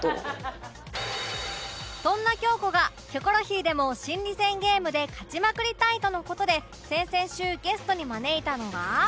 そんな京子が『キョコロヒー』でも心理戦ゲームで勝ちまくりたいとの事で先々週ゲストに招いたのは